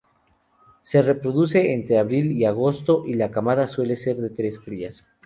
Se reproduce entre abril y agosto, y la camada suele ser de tres crías.